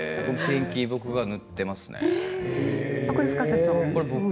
ペンキ、僕が塗っていますね。